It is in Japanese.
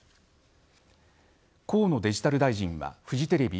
河野デジタル大臣はテレビ